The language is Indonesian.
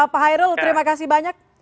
pak hairul terima kasih banyak